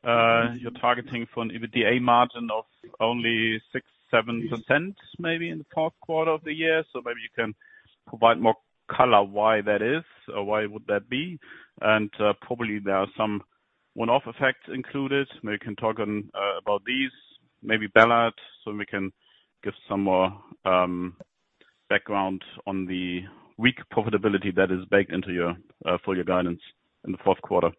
you're targeting for an EBITDA margin of only 6%-7% maybe in the fourth quarter of the year. So maybe you can provide more color why that is or why would that be. And probably there are some one-off effects included. Maybe you can talk about these, maybe Ballard, so we can give some more background on the weak profitability that is baked into your full year guidance in the fourth quarter.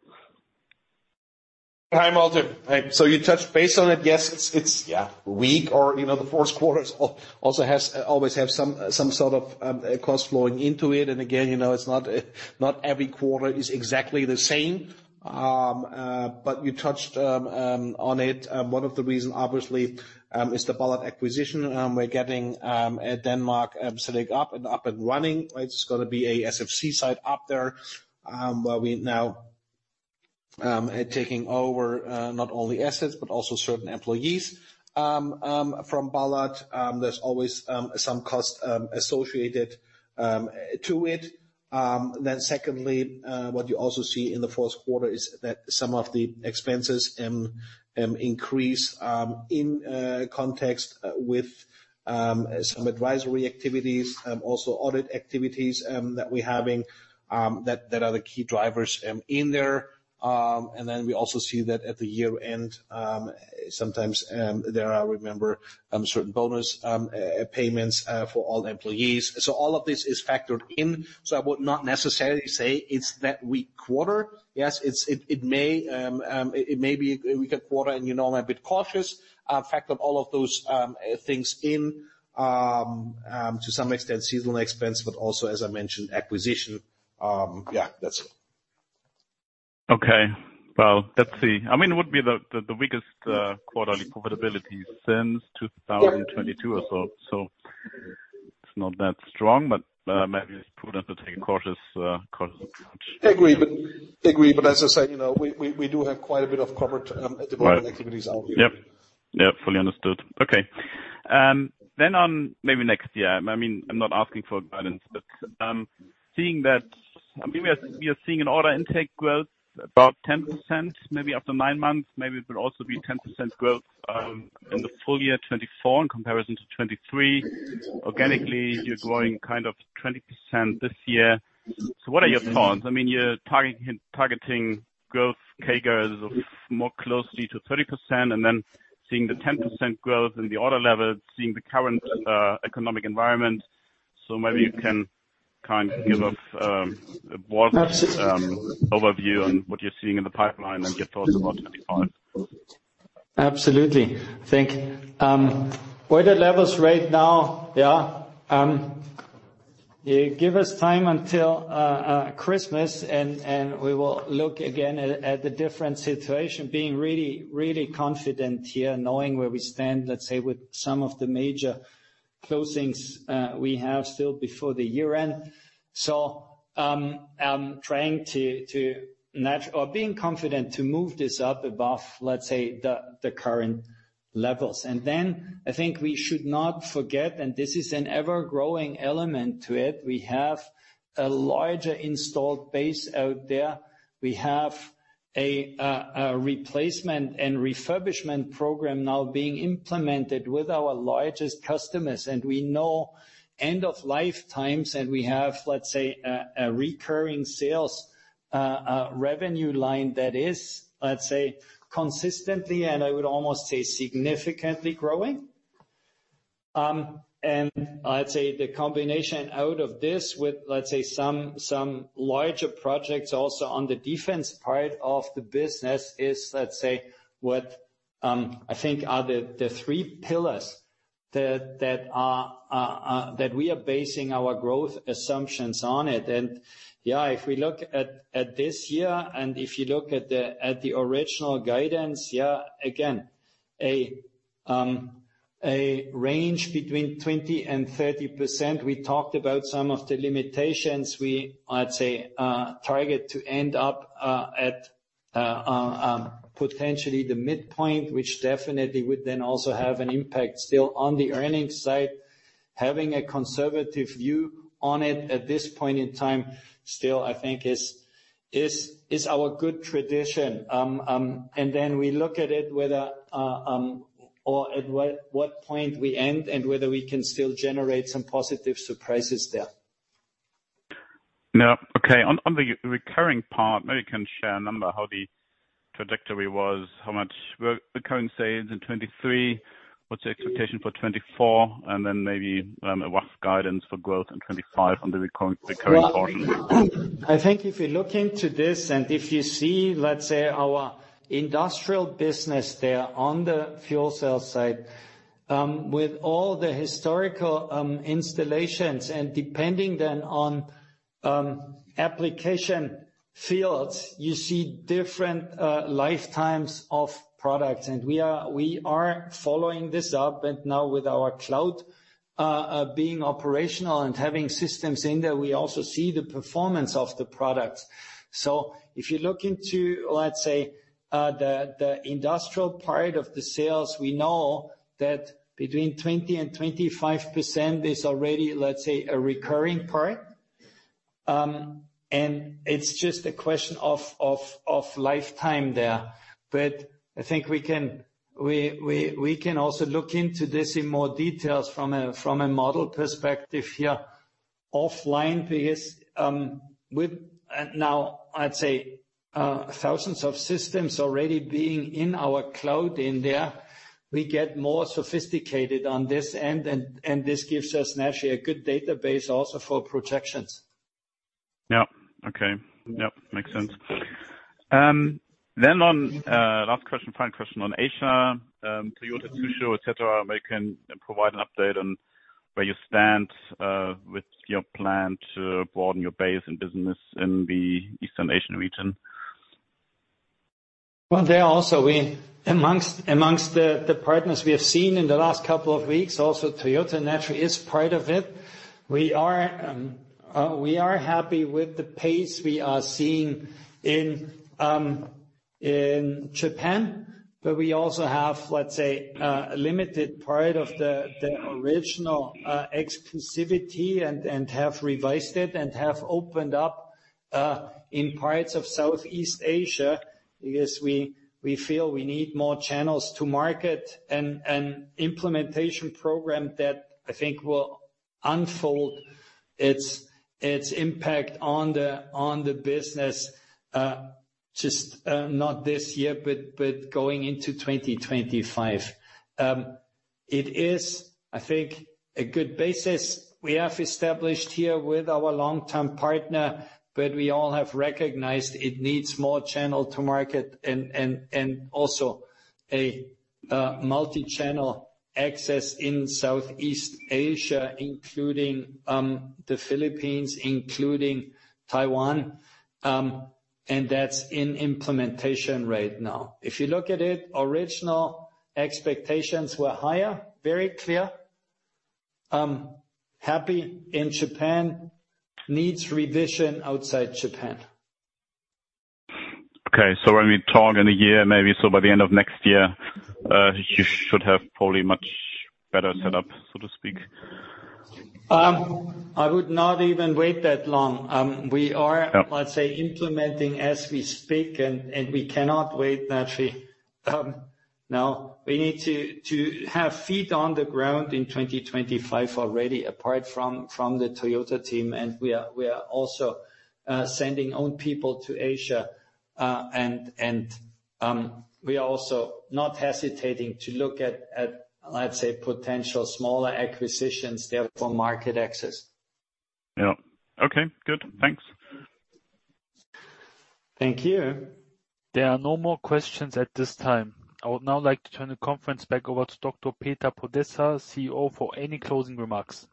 Hi, Malte. Hey. So you touched base on it. Yes, it's yeah weaker, you know, the fourth quarter also has always have some sort of cost flowing into it. And again, you know, it's not every quarter is exactly the same. But you touched on it. One of the reasons obviously is the Ballard acquisition. We're getting at Denmark setting up and running, right? It's going to be a SFC site up there, where we now taking over not only assets but also certain employees from Ballard. There's always some cost associated to it. Then secondly, what you also see in the fourth quarter is that some of the expenses increase in context with some advisory activities, also audit activities that we're having that are the key drivers in there. And then we also see that at the year-end, sometimes there are certain bonus payments for all employees. All of this is factored in. I would not necessarily say it's that weak quarter. Yes, it may be a weaker quarter and you know I'm a bit cautious, factored all of those things in, to some extent seasonal expense, but also, as I mentioned, acquisition. Yeah, that's it. Okay. Let's see. I mean, it would be the weakest quarterly profitability since 2022 or so. It's not that strong, but maybe it's prudent to take a cautious approach. Agreed. Agreed. But as I say, you know, we do have quite a bit of corporate development activities out here. Yep. Yep. Fully understood. Okay. Then on maybe next year, I mean, I'm not asking for guidance, but seeing that, I mean, we are seeing an order intake growth about 10% maybe after nine months. Maybe it will also be 10% growth in the full year 2024 in comparison to 2023. Organically, you're growing kind of 20% this year. So what are your thoughts? I mean, you're targeting, targeting growth, CAGR more closely to 30% and then seeing the 10% growth in the order level, seeing the current economic environment. So maybe you can kind of give us a broad overview on what you're seeing in the pipeline and your thoughts about 2025. Absolutely. Thank you. Order levels right now, yeah. Give us time until Christmas and, and we will look again at the different situation, being really, really confident here, knowing where we stand, let's say, with some of the major closings we have still before the year end. So, trying to, to nature or being confident to move this up above, let's say, the current levels. And then I think we should not forget, and this is an ever-growing element to it. We have a larger installed base out there. We have a replacement and refurbishment program now being implemented with our largest customers. And we know end-of-life times, and we have, let's say, a recurring sales revenue line that is, let's say, consistently, and I would almost say significantly growing. And I'd say the combination out of this with, let's say, some larger projects also on the defense part of the business is, let's say, what I think are the three pillars that we are basing our growth assumptions on it. And yeah, if we look at this year and if you look at the original guidance, yeah, again, a range between 20%-30%. We talked about some of the limitations we, I'd say, target to end up at potentially the midpoint, which definitely would then also have an impact still on the earnings side. Having a conservative view on it at this point in time still, I think, is our good tradition. And then we look at it whether, or at what point we end and whether we can still generate some positive surprises there. Yeah. Okay. On the recurring part, maybe you can share a number, how the trajectory was, how much recurring sales in 2023, what's the expectation for 2024, and then maybe a rough guidance for growth in 2025 on the recurring portion. I think if you're looking to this and if you see, let's say, our industrial business there on the fuel cell side, with all the historical installations and depending then on application fields, you see different lifetimes of products, and we are following this up, and now with our cloud being operational and having systems in there, we also see the performance of the products, so if you look into, let's say, the industrial part of the sales, we know that between 20% and 25% is already, let's say, a recurring part, and it's just a question of lifetime there. But I think we can also look into this in more details from a model perspective here offline because with and now I'd say thousands of systems already being in our cloud in there we get more sophisticated on this end. And this gives us naturally a good database also for projections. Yeah. Okay. Yep. Makes sense. Then on last question final question on Asia Toyota Tsusho et cetera maybe you can provide an update on where you stand with your plan to broaden your base and business in the Eastern Asian region? There also we among the partners we have seen in the last couple of weeks also Toyota naturally is part of it. We are happy with the pace we are seeing in Japan, but we also have, let's say, a limited part of the original exclusivity and have revised it and have opened up in parts of Southeast Asia because we feel we need more channels to market and implementation program that I think will unfold its impact on the business, just not this year, but going into 2025. It is, I think, a good basis we have established here with our long-term partner, but we all have recognized it needs more channel to market and also a multi-channel access in Southeast Asia, including the Philippines, including Taiwan. That's in implementation right now. If you look at it, original expectations were higher, very clear. Happy in Japan needs revision outside Japan. Okay. So when we talk in a year, maybe so by the end of next year, you should have probably much better setup, so to speak. I would not even wait that long. We are, let's say, implementing as we speak and we cannot wait naturally. Now we need to have feet on the ground in 2025 already, apart from the Toyota team. And we are also sending own people to Asia, and we are also not hesitating to look at, let's say, potential smaller acquisitions there for market access. Yeah. Okay. Good. Thanks. Thank you. There are no more questions at this time. I would now like to turn the conference back over to Dr. Peter Podesser, CEO, for any closing remarks.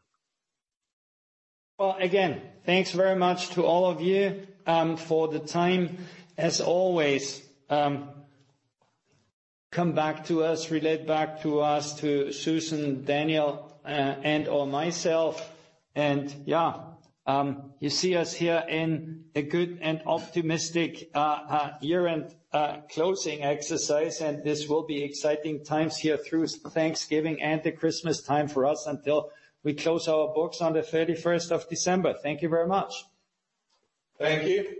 Well, again, thanks very much to all of you, for the time. As always, come back to us, relate back to us, to Susan, Daniel, and/or myself. And yeah, you see us here in a good and optimistic year-end closing exercise. And this will be exciting times here through Thanksgiving and the Christmas time for us until we close our books on the 31st of December. Thank you very much. Thank you.